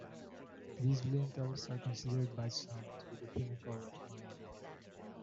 These lintels are considered by some to be the pinnacle of Mayan Art.